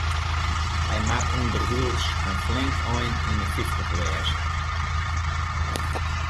Hy moat ûnderwilens in flink ein yn de fyftich wêze.